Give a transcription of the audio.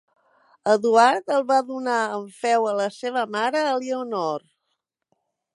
Eduard el va donar en feu a la seva mare Elionor.